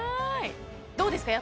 どうですか？